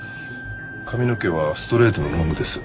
髪の毛はストレートのロングです。